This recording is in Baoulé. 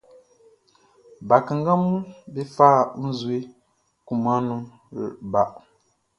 Bakannganʼm be fa nzue kunmanʼn nun ba.